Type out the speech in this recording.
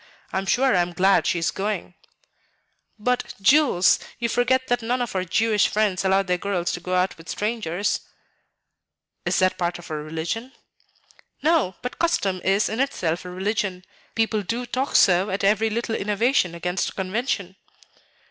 I am sure I am glad she is going." "But, Jules, you forget that none of our Jewish friends allow their girls to go out with strangers." "Is that part of our religion?" "No; but custom is in itself a religion. People do talk so at every little innovation against convention."